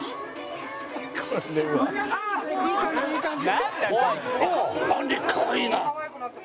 「２１」いい感じいい感じ！